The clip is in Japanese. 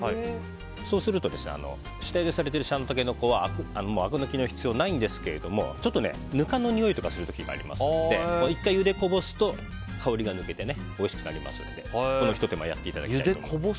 そうすると下ゆでされているタケノコはあく抜きの必要ないんですがぬかのにおいがする時があるので１回、ゆでこぼすと香りが抜けておいしくなりますのでこのひと手間をやっていただきたいです。